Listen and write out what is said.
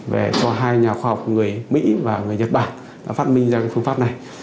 về cho hai nhà khoa học người mỹ và người nhật bản đã phát minh ra cái phương pháp này